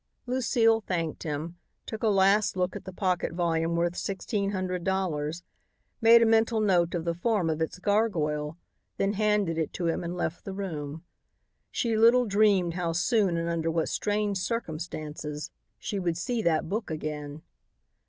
Lucile thanked him, took a last look at the pocket volume worth sixteen hundred dollars, made a mental note of the form of its gargoyle, then handed it to him and left the room. She little dreamed how soon and under what strange circumstances she would see that book again.